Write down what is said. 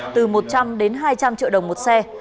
từ một trăm linh đến hai trăm linh triệu đồng một xe